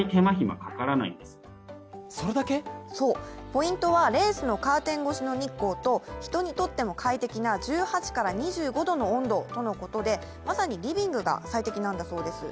ポイントはレースのカーテン越しの日光と人にとっても快適な１８から２５度の温度とのことで、まさにリビングが最適なんだそうです。